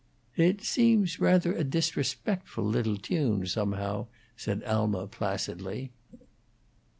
"It seems rather a disrespectful little tune, somehow," said Alma, placidly.